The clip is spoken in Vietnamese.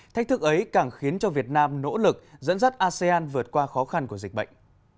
thách thức ấy càng khiến cho việt nam nỗ lực dẫn dắt asean vượt qua khó khăn của dịch bệnh